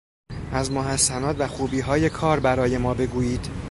از محسنات و خوبیهای کار برای ما بگویید